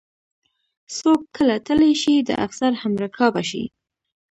څوک کله تلی شي د افسر همرکابه شي.